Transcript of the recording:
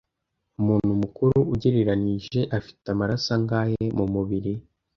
Umuntu mukuru ugereranije afite amaraso angahe mumubiri